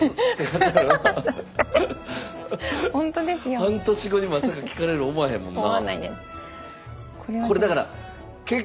半年後にまさか聞かれると思わへんもんな。